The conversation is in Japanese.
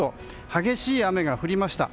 激しい雨が降りました。